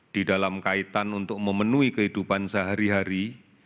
di dalam kaitan untuk memenuhi kehidupan sehari hari